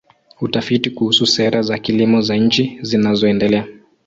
Utafiti kuhusu sera za kilimo za nchi zinazoendelea.